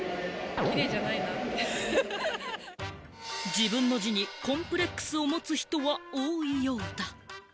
自分の字にコンプレックスを持つ人は多いようだ。